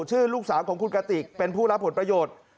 ชื่อลูกสาวของคุณกติกเป็นผู้รับผลประโยชน์